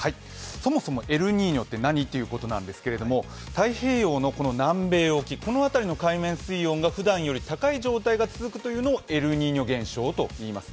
そもそもエルニーニョって何？ということなんですけど、太平洋の南米沖、この辺りの海面水温がふだんより高い状態が続くことをエルニーニョ現象といいます。